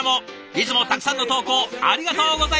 いつもたくさんの投稿ありがとうございます。